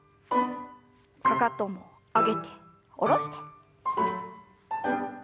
かかとも上げて下ろして。